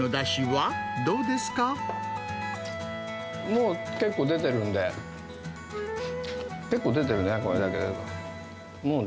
もう結構出てるんで、結構出てるね、これね。